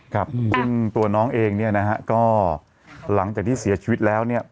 ครับซึ่งตัวน้องเองเนี่ยนะฮะก็หลังจากที่เสียชีวิตแล้วเนี่ย